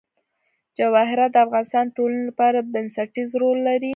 جواهرات د افغانستان د ټولنې لپاره بنسټيز رول لري.